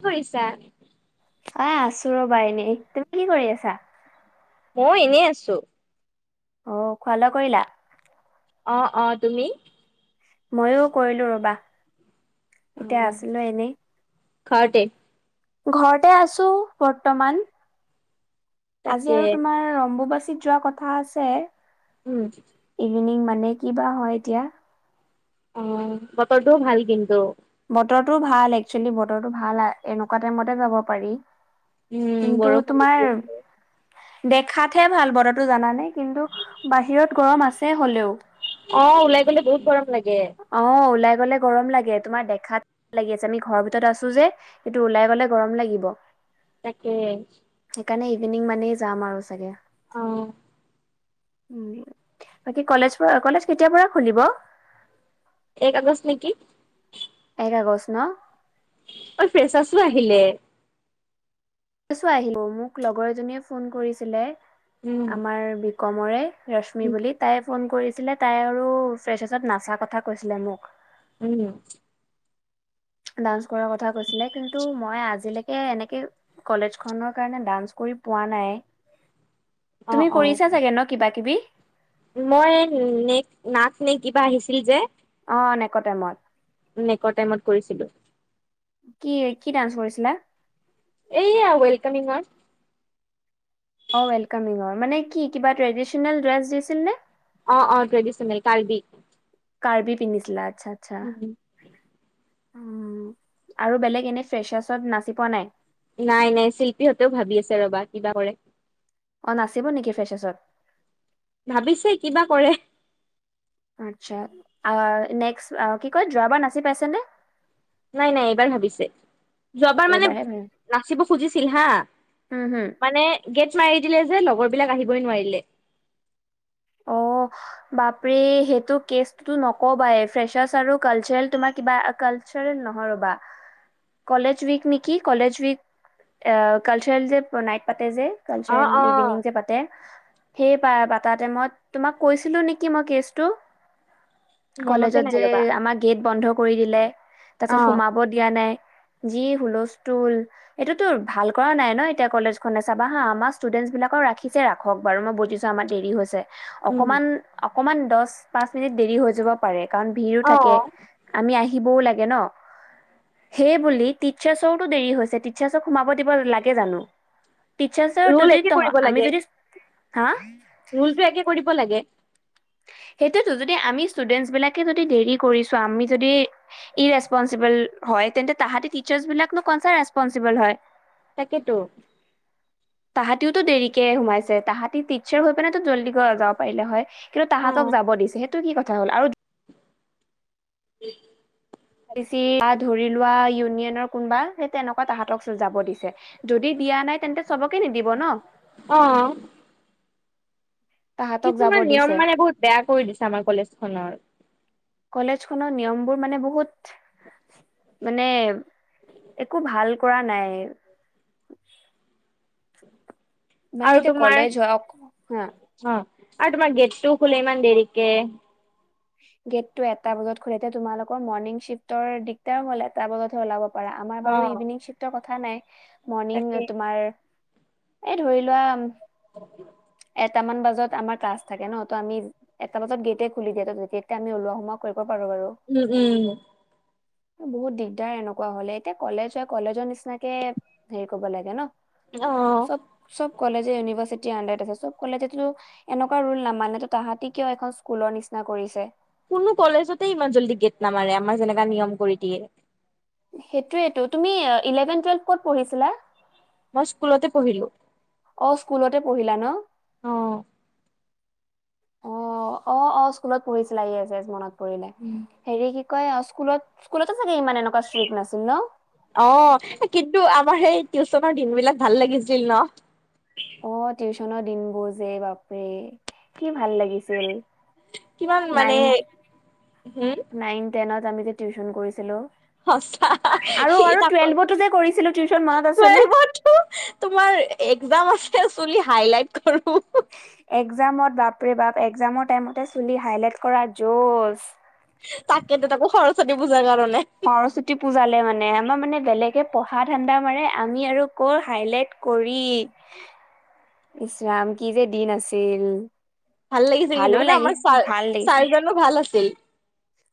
কি কৰিছা? আঁ আছো চুৰবাইনী তুমি কি কৰি আছা? মই এনেই আছো। অ খুৱা লোৱা কৰিলা? অ অ তুমি? ময়ো কৰিলো ৰবা। অ এতিয়া আছোএনেই। ঘৰতে। ঘৰতে আছোঁ বৰ্তমান। আজি তাকে আৰু তোমাৰ ৰম্বু বাছ যোৱা কথা আছে। উম কিনিম মানে কিবা হয় এতিয়া। অঁ বতৰটোও ভাল কিন্তু। বতৰটো ভাল একচুৱেলি বতৰটো ভাল, এনেকুৱা টাইমতে যাব পাৰি। উম, কিন্তু বৰষুণো দি আছে। তোমাৰ দেখাতহে ভাল বতৰতো জানানে? কিন্তু বাহিৰত গৰম আছে হলেও। অ ওলাই গলে বহুত গৰম লাগে। অ ওলাই গলে গৰম লাগে, তোমাৰ দেখাত লাগি আছে আমি ঘৰৰ ভিতৰত আছো যে কিন্তু ওলাই গলে গৰম লাগিব। তাকে। সেইকাৰণে ইভিনিং মানেই যাম আৰু চাগে। আঁ। উম, বাকী কলেজ কলেজ কেতিয়াৰ পৰা খুলিব। এক আগষ্ট নেকি? দে কচ ন অ ফ্ৰেচাৰছো আহিলে। আহিব মোক লগৰ এজনীয়ে ফোন কৰিছিলে উম, আমাৰ কমৰে ৰশ্মি উম, বুলি তাই ফোন কৰিছিলে তাই আৰু ফ্ৰেচাৰ্চত নাচা কথা কৈছিলে মোক। উম। দান্স কৰা কথা কৈছিলে কিন্তু মই আজিলৈকে সেয়া এনেকে কলেজখনৰ কাৰণে ডান্স কৰি পোৱা নাই। অ', তুমি কৰিছা অ'। চাগে ন কিবা কিবি? মই নে নাক নে কিবা আহিছিল যে? অ এনেকুৱা টাইমত। নেকৰ টাইমত কৰিছিলো। কি কি ডান্স কৰিছিলা? এয়া ৱেলকমিংৰ। অ ৱেলকামিং অ মানে কি কিবা ট্ৰেডিচনেল ড্ৰেছ দিছিল নে? অ অ ট্ৰেডিচনেল, কাৰ্বি। কাৰ্বি পিন্ধিছিলা। আচ্ছা আচ্ছা। উম। উম আৰু বেলেগ এনে ফ্ৰেচাৰছত নাচি পোৱা নাই? নাই নাই শিল্পীহঁতেও ভাবি আছে ৰবা কিবা কৰে। অ নাচিব নেকি ফ্ৰেচাৰ্চছত? ভাবিছে কিবা কৰে। আচ্ছা, আৱাৰ নেক্স কি কয় যোৱাবাৰ নাচি পাইছে নে? নাই নাই এইবাৰ ভাবিছে, যোৱাবাৰ মানে এইবাৰহে পাই নাচিব খুজিছিল হা, উম, হম। মানে গেট মাৰি দিলে যে লগৰ বিলাক আহিবই নোৱাৰিলে। অ বাপৰে সেইটো কেচটো নকবা ফ্ৰেচাৰছ আৰু কালচাৰেল তোমাৰ কিবা কালচাৰেল নহয় ৰ'বা কলেজ উইক নেকি কলেজ উইক কালচাৰেল যে নাইট পাতে যে অ কালছাৰেল অ ইভিনিং যে পাতে সেই পা বটা টাইমত তোমাক কৈছিলো নেকি মই কেচটো। মনতে কলেজত নাই যে ৰবা আমাৰ গেট বন্ধ কৰি দিলে। তাৰ অ পিছত সোমাব দিয়া নাই যি হুলস্থুল এইটোতো ভাল কৰা নাই ন এতিয়া কলেজ খনে চাবা হা আমাৰ ষ্টুডেন্টচ বিলাকও ৰাখিছে ৰাখক বাৰু মই বুজিছো আমাৰ দেৰি হৈছে উম অকমান অকণমান দচ, পাঁচ মিনিট দেৰি হৈ যাব পাৰে। কাৰণ ভিৰো অ থাকে আমি আহি দিবও লাগে ন সেইবুলি দেৰি টিচাৰ্চ সোমাব দিব লাগে জানো। টিচাৰ চৰ ৰোল তদি তহ আমি যদি হা ৰুলটো একে কৰি দিব লাগে। সেইটোৱেতো যদি আমি স্তুদেনচবিলাকে দেৰি কৰিছো আমি যদি ইৰেষ্পঞ্চিবল হয় তেন্তে তাহাতি টিচাৰচবিলাক নো কনচা ৰেষ্পঞ্চিবল হয়। তাকেতো। তাহাতিওটো দেৰিকে সোমাইছে তাহাতি তিচ্ছৰ হৈ পেনে তো জল্দি গৈ যাব পাৰিলে হয়। কিন্তু, অ তাহাতক যাব দিছে হে টো কি কথা হ'ল আৰু [inaudible] বেছি [unintelligible] ধৰী লোৱা ইউনিয়ন কোনোবা সেই তেনেকোৱা তাহাঁতকচো যাব দিছে, যদি দিয়া নাই তেন্তে চবকে নিদিব ন। অ তাহাঁতক যাব কিছুমান নিয়ম দিছে। মানে বহুত বেয়া কৰি দিছে আমাৰ কলেজ খনৰ। কলেজখনৰ নিয়মবোৰ মানে বহুত মানে একো ভাল কৰা নাই। মানে আৰু এতিয়া তোমাৰ কলেজ হোৱা অ তোমাৰ গেটটো খোলে ইমান দেৰিকে। গেট টো এটা বজাত খোলে এতিয়া তোমালোকৰ মৰ্নিং শিফটৰ দিগদাৰ হ'ল এটা বজাতহে ওলাব আমাৰ অ বাৰো ইভিনিং চিপতৰ কথা কথা নাই। মৰ্ণিং তাকে তোমাৰ এ' ধৰি লোৱা এটা মান বাজত আমাৰ ক্লাছ থাকে ন' ত' আমি এটা বজাত গেটে খুলি দিয় ত' তেতিয়া আমি উলোৱা সোমোৱা কৰিম। উম- উম বহুত দিগদাৰ এনেকুৱা হলে এতিয়া কলেজ হয় কলেজৰ নিচিনাকে হেৰি কৰিব লাগে ন'। অহ চব চব কলেজে ইউনিভাৰচিতি আন্দাৰত চব কলে যেটো এনেকুৱা ৰোল নামানে তটো তাহাঁতি কিয় এখন স্কুলৰ নিচিনা কৰিছে। কোনো কলেজতে ইমান জল্দি গেট নামাৰে আমাৰ যেনেকা নিয়ম কৰি দিয়ে। সেইটোৱটো তুমি ইলেভেন টুৱেলভ ক'ত পঢ়িছিলা? মই স্কুলতে পঢ়িলো। অহ, স্কুলতে পঢ়িলা ন'। অহ, অহ -অহ -অহ স্কুলত পঢ়িছিলা ইয়েজ - ইয়েজ মনত পৰিলে হেৰী কয় স্কুলত -স্কুলতো চাগে ইমান এনেকুৱা ষ্ট্ৰিক্ট নাছিল ন' অহ, কিন্তু আমাৰ সেই টিউচনৰ দিন বিলাক ভাল লাগিছিল ন। অহ, টিউচনৰ দিন বোৰ যে বাপৰে কি ভাল লাগিছিল। কিমান মানে নাইন হুম নাইন টেনত আমি যে টিউচন কৰিছিলোঁ। সচা হে তাকৌ যে কৰিছিলো টিউচন মনত আছেনে টুৱেলভতো, তোমাৰ এক্জাম আছে। চুলি হাইলাইট কৰো এক্জামত বাপৰে বাপ এক্জামৰ টাইমতে চুলি হাইলাইট কৰা জোছ। তাকেটো তাকো সৰস্বতী পূজাৰ কাৰণে। সৰস্বতী পূজালে মানে আমাৰ মানে বেলেগে পঢ়া ঠাণ্ডা মাৰে আমি আৰু ক'ৰ হাইলাইট কৰি ইচৰাাম কি যে দিন আছিল। ভাল লাগিছিল ভালো কিন্তু, কিন্তু লাগি আমাৰ চাৰ-চাৰ জনো ভাল আছে [unintelligible]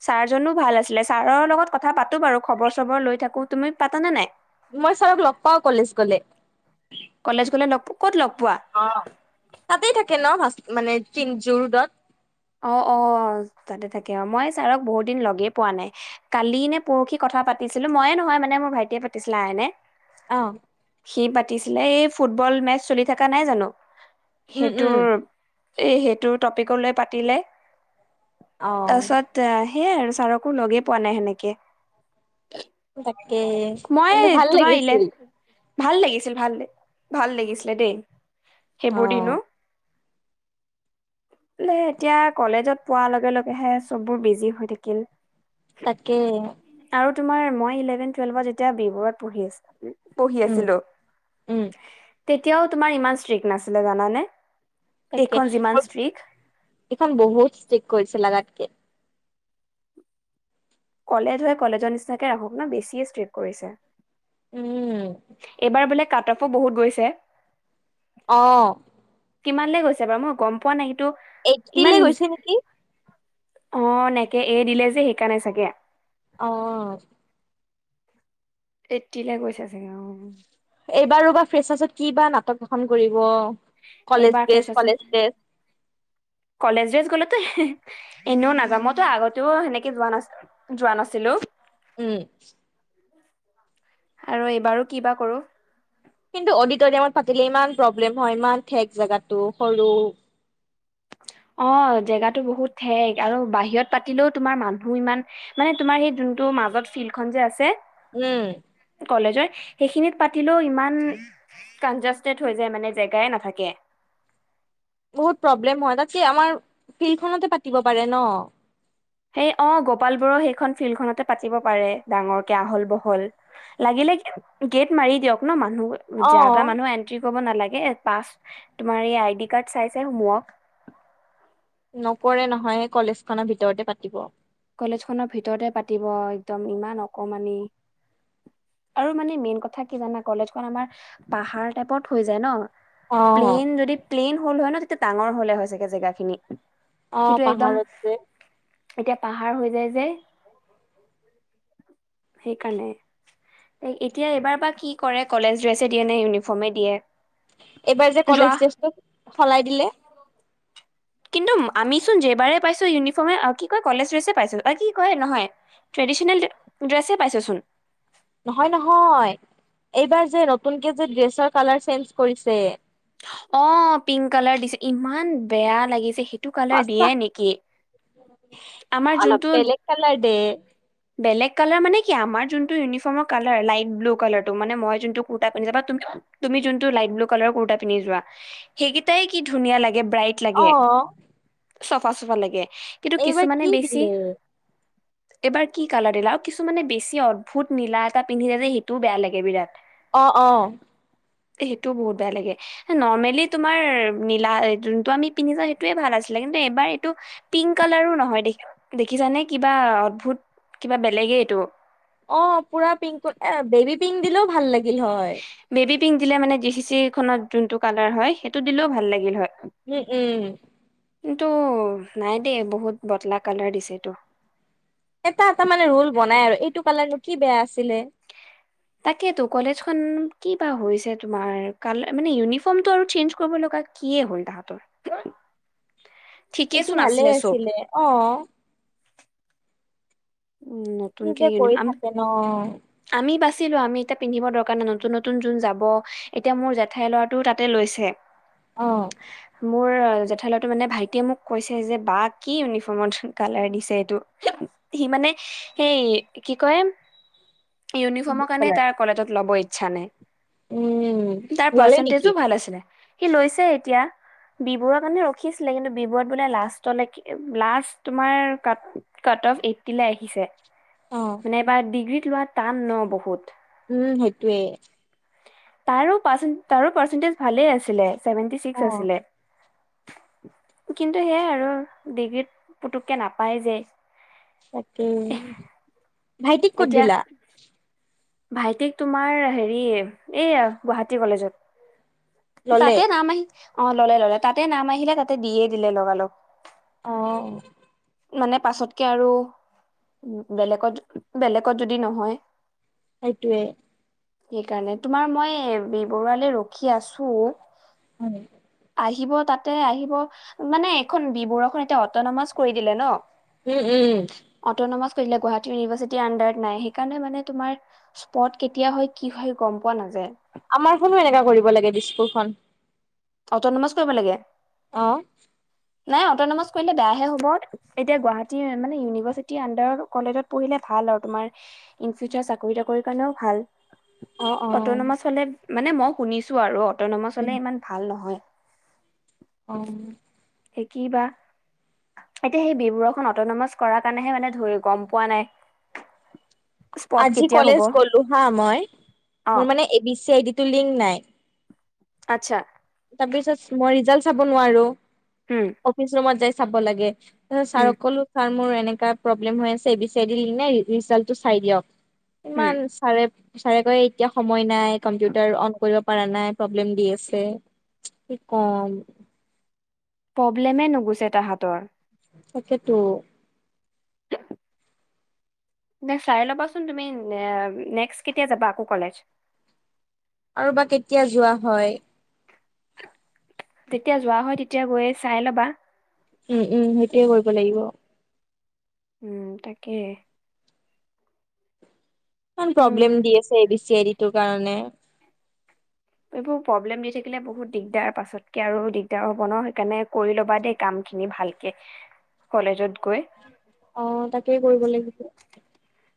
ছাৰ জনো ভাল আছিলে ছাৰৰ লগত কথা পাতো বাৰু খবৰ চবৰ লৈ থাকো। তুমি পাতানে নাই? মই ছাৰক লগ পাওঁ কলেজ গলে। কলেজ গলে লগ প- ক'ত লগ পোৱা অহ, তাতেই থাকে ন ভ মানে চিন জোৰডত। অহ-অহ তাতে থাকে অহ। মই ছাৰক বহুত দিন লগেই পোৱা নাই। কালি নে পৰহি কথা পাতিছিলো ময়ে নহয় মানে মোৰ ভাইটিয়ে পাতিছিলা আইনে। অ সি পাতিছে। আছিলে এই ফুটবল মেচ চলি থকা নাই জানো? উম উম সেইটোৰ এ সেইটো টপিকলৈ পা তিলে। অ', তাৰপাছত তাই সেইয়াই আৰু ছাৰকো লগেই পোৱা নাই সেনেকে। তাকে মই কিন্তু ভাল তোমাৰ ইলে লাগিছিল। ভাল লাগিছিল ভাল-ভাল লাগিছিলে দেই। সেইবোৰ অ', দিনো। ন এতিয়া কলেজত পোৱাৰ লগে-লগে হে চববোৰ বিজি হৈ থাকিল। তাকে। তোমাৰ ম ই ইলেভেনট টুৱেলভত যেতিয়া বিবোৰত পঢ়ি আছিলো। পঢ়ি উম, আছিলো। উম, তেতিয়াও তোমাৰ ইমান ষ্ট্ৰিক্ট নাছিলে জানানে। তাকে এইখন যিমান [unintelligible] ষ্ট্ৰিক এইখন বহুত ষ্ট্ৰিক কৰিছে লাগাতকে। কলেজ হৈ কলেজৰ নিচিনাকৈ ৰাখক না বেছিয়ে ষ্ট্ৰিপ কৰিছে। উম। এইবাৰ বোলে কাট অফো বহুত গৈছে? অহ। কিমান লৈ গৈছে বাৰু? মই গম পোৱা নাই। কিন্তু ইমান এইটটিলে ইজ- গৈছে নেকি। অ এনেকে এ দিলে যে সেইকাৰনে চাগে আ অ। এইটটিলে গৈছে চাগে অ। এইবাৰো বা, ফ্ৰেচাছত কি বা নাটক, খন কৰিব। কলেজ এইবাৰ ড্ৰেছ, কলেজ ফ্ৰেচাছত ড্ৰেছ। কলেজ ড্ৰেছ গ'লে, তেহ এনেও নাযাও। মইতো আগতেও সেনেকে যোৱা নাছি যোৱা নাছিলো। উম। আৰু এইবাৰো কি বা কৰো কিন্তু অডিটৰিয়ামত পাতিলে ইমান প্ৰব্লেম হয়, ইমান ঠেক জোগাটো সৰু। অ জেগাটো বহুত ঠেক আৰু বাহিৰত পাতিলেও তোমাৰ মানুহ ইমান মানে তোমাৰ সেই যোনটো মাজত ফিল্ডখন যে আছে। উম। কলেজৰ সেইখিনিত পতিলো ইমান কাঞ্জস্তেত হৈ যায়, জেগাই নাথাকে। বহুত প্ৰব্লেম হয় তাতকে আমাৰ ফিল্ডখনতে পাতিব পাৰে ন? সেই অ গোপাল বৰুৱা সেইখন ফিল্ডখনতে পাতিব পাৰে, ডাঙৰকে আহল বহল লাগিল লোগি গেট মাৰি দিয়ক ন মা নুহ যা টা অ'। মানুহ এন্ট্ৰি, কব নালাগে, পাছ তোমাৰ এই আইদি কাৰ্ত চাই চাই সোমুৱাওক। নকৰে নহয়, কলেজ খনৰ ভিতৰতে পাতিব। কলেজ খনৰ ভিতৰতে পাতিব, একদম ইমান অকমানি আৰু মানে মেইন কথা কি জান কলেজখন আমাৰ পাহাৰ টাইপত হৈ যায় ন। অ', প্লেইন যদি প্লেইন, হ'ল হয় ন, তেতিয়া ডাঙৰ হলে হয় চাগে জেগা খিনি। অ কিন্তু একদম পাহাৰত যে, এতিয়া, পাহাৰ হৈ যায় যে সেইকাৰণে, এতিয়া এইবাৰ বা কি কৰে কলেজ ড্ৰেছে দিয়ে নে ইউনিফৰ্মে দিয়ে। এইবাৰ যে যোৱা কলেজ ড্ৰেষ্টো সলাই দিলে। কিন্তু আমি চোন যেইবাৰে পাইছো, ইউনিফৰ্মে কি কয় কলেজ ড্ৰেছে পাইছো কি কয় নহয়, ট্ৰেডিচনেল ড্ৰেছে পাইছোচোন। নহয় নহয়, এইবাৰ যে নতুনকে যে ড্ৰেছৰ কালাৰ চেঞ্জ কৰিছে। অ পিংক কালাৰ দিছে ইমান বেয়া লাগিছে সেই সচা আমাৰ অলপ যোনটো বেলেগ কালাৰ দে [inaudible] বেলেগ কালাৰ মানে কি আ, আমাৰ যোনটো ইউনিফৰ্মৰ কালাৰ, লাইট ব্লু কালাৰ মানে মই যোনটো কুৰ্তা পিন্ধি যাবা, তুমি যোনটো লাইত ব্লু কালাৰ কূৰ্তা যোৱা, সেইকেটাই কি ধুনীয়া লাগে। ব্ৰাইট লাগে। অ', চাফা চাফা লাগে। কিন্তু এইবাৰ কি দিলে এবাৰ কি কালাৰ দিলা আৰু কিছুমানে বেছি অদ্ভুত নীলা এটা পিন্ধি যায় যে সেইটোও বেয়া লাগে বিৰাট অ অ সেইটোও বহুত বেয়া লাগে নৰ্মেলি তোমাৰ নীলা যোনটো আমি পিন্ধি যাও সেইটোৱে ভাল আছিলে কিন্তু এবাৰ এইটো পিংক কালাৰো নহয় দে দেখিছানে কিবা অদ্ভুত কিবা বেলেগেই এইটো। অ পুৰা পিংক এ বেবী পিং দিলও ভাল লাগে। গিল হয়। বেবী পিংক দিলে মানে জি চি চি খনত যোনতটো কালাৰ হয় সেইটো দিলেও ভাল লাগিল হয়। উম উম। কিন্তু নাই দেই বহুত বটলা কালাৰ দিছে এইটো। এটা এটা মানে ৰোল বনাই আৰু এইটো কালাৰনো কি বেয়া আছিলে। তাকেটো কলেজখন কি বা হৈছে তোমাৰ কালা মানে ইউনিফৰ্মটো চেঞ্চ কৰিব লগা কিয়ে হল তাহাতৰ। এইটো ভালে আছিলে অ। উম কি নতুনকে যে কৰি ইউনিফৰ্ম থাকে ন। আমি বাচিলো আমি এতিয়া পিন্ধিব দৰকাৰ নাই, নতুন নতুন যোন যাব এতিয়া মোৰ জেঠাইৰ লৰাটো তাতে লৈছে। অ মোৰ জেঠাইতো লৰাটো মানে ভাইটিয়ে মোক কৈছে যে, বা কি ইউনিফৰ্মত কালাৰ দিছে এইটো? সি মানে সেই কি কয় ব্লু ইউনিফৰ্মৰ কাৰণে কালাৰ তাৰ কলেজত ল'ব। ইচ্ছা নাই। উম, তাৰ ল'লে পৰ্চেন্টেজ নেকি ও ভাল আছিলে, সি লৈছে এতিয়া। বি বৰুৱা কাৰণে ৰখিছিলে কিন্তু বি বৰুৱা বোলে লাষ্টতলৈকে লাষ্ট তোমাৰ কাট কাট অফ্ এইটটি লে আহিছে। অ', মানে এবাৰ ডিগ্ৰীত লোৱাত টান ন বহুত। উম সেইটোৱে। তাৰো পাছ পাৰ্চেন্টেজ ভালে আছিলে। ছেভেনটি ছিক্স আছিলে। কিন্তু সেয়াই আৰু ডিগ্ৰীত পুতুককে নাপায় যে। তাকেই। ভাইটিক কত এতিয়া দিলা? ভাইটিক তোমাৰ হেৰি এইয়া গুৱাহাটী কলেজত। ললে তাতে নাম আহি অ ললে ললে তাতে নাম আহিলে তাতে দিয়ে দিলে লগা লগ। অ। মানে পাছতকে আৰু বেলেগত বেলেগত যদি নহয় হে ইটোৱে। সেইকাৰণে তোমাৰ মই বি বৰুৱালে ৰখি আছো। হয়নেকি? আহিব তাতে আহিব মানে এখন বিবৰুৱা খন এতিয়া অটনমাছ। কৰি দিলে ন। উম উম। কৰিলে গুৱাহাটী ইউনিভাৰ্চিটি আন্দাৰত নাই সেইকাৰণে মানে তোমাৰ স্পট কেতিয়া হয় কি হয় গম পোৱা নাযায়। আমাৰ খনো এনেকা কৰিব লাগে দিছপুৰ খন। অটনমাছ কৰিব লাগে। অ। নাই অটনমাচ কৰিলে বেয়াহে হ'ব এতিয়া গুৱাহাটী মান ইউনিভাৰ্চিটি আন্দাৰত কলেজত পঢ়িলে ভাল আৰু তোমাৰ ইন ফিউচাৰ চাকৰি টাকৰি কাৰণেও ভাল। অটনমাছ হ'লে। মানে মই শুনিছোঁ আৰু অ অটনমাচ হ'লে ইমান নহয়। অ। সে কিবা এতিয়া সেই বিবোৰ খন অটনমাচ কৰাৰ কাৰণেহে মানে ধৰি গম পোৱা নাই। স্পট আজি কেতিয়া হ'ব কলেজ গলো হা মই অ মোৰ মানে A B C I D টো লিং নাই। আচ্ছা মই ৰিজাল চাব নোৱাৰোঁ। উম অফিচ ৰুমত যাই। চাব লাগে। তাপিছত উম ছাৰক কলো ছাৰ মোৰ এ এনেকা প্ৰব্লেম হয় আছে এবি ছি আইডি ৰি ৰিজালটো চাই দিয়ক। উম ইমান ছাৰে। ছাৰে কয় এতিয়া সময় নাই কম্পিউটাৰ অন কৰিব পাৰা নাই প্ৰব্লেম দি আছে। কি কম প্ৰব্লেমে নুগুছে তাহাঁতৰ। তাকেতো। নে চাই লবা চোন তুমি নে নেক্সত কেতিয়া জাবা আকৌ কলেজ। আৰু বা কেতিয়া যোৱা হয়। যেতিয়া যোৱা হয় তেতিয়া গৈয়ে চাই ল'বা। উম উম সেইটোয়ে কৰিব লাগিব। উম তাকে। ইমান উম প্ৰব্লেম দি আছে A B C I D সেইটো কাৰণে। এইবোৰ প্ৰব্লেম দি থাকিলে বহুত দিগদাৰ পাছতকে আৰু দিগদাৰ হ'ব ন সেইকাৰণে কৰি ল'বা দেই কামখিনি ভালকে কলেজত গৈ। অ তাকেই কৰিব লাগিছে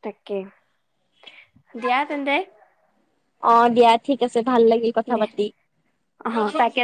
তাকে দিয়া তেন্তে। অ দিয়া ঠিক আছে। ভাল লাগিল কথা দে পাতি। অ তাকে